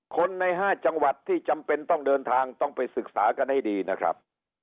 คนใน๕จังหวัดที่จำเป็นต้องเดินทางต้องไปศึกษากันให้ดีนะครับ